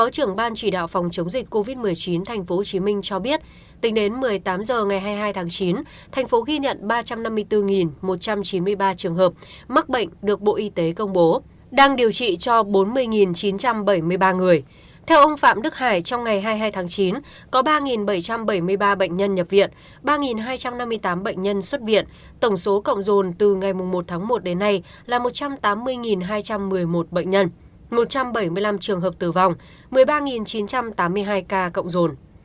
tổng số cộng rồn từ ngày một tháng một đến nay là một trăm tám mươi hai trăm một mươi một bệnh nhân một trăm bảy mươi năm trường hợp tử vong một mươi ba chín trăm tám mươi hai ca cộng rồn